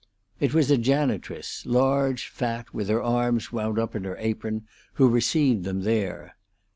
It was a janitress, large, fat, with her arms wound up in her apron, who received them there.